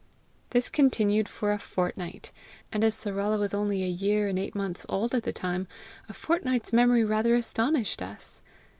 This continued for a fortnight; and as Sarala was only a year and eight months old at the time, a fortnight's memory rather astonished us.